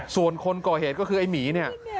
ส่วนคนก่อเหตุก็คือไอ้หมีเนี่ย